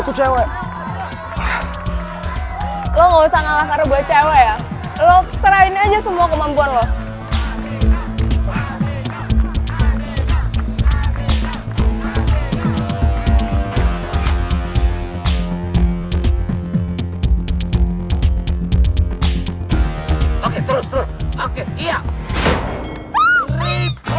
kurang stamina lu tuh